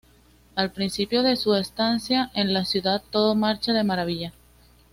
Al principio de su estancia en la ciudad todo marcha de maravilla.